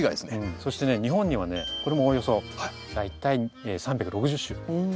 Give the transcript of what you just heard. そしてね日本にはねこれもおおよそ大体３６０種あるっていわれてる。